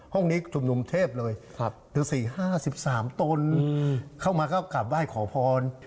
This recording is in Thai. ห้องนี้จำนวมเทพเลยถึง๔๕๓ต้นเข้ามาก็กลับบ้านขอพร